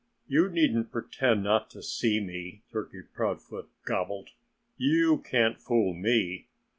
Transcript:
"You needn't pretend not to see me," Turkey Proudfoot gobbled. "You can't fool me.